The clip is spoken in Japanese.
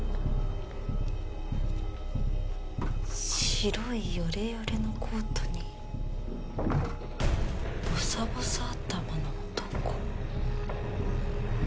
白いヨレヨレのコートにボサボサ頭の男？